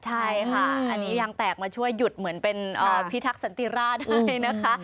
ใช่ค่ะอันนี้ยางแตกมาช่วยหยุดเหมือนเป็นพิทักษันติราชให้นะคะ